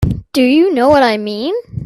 Do you know what I mean?